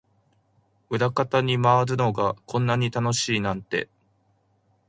裏方に回るのがこんなに楽しいなんて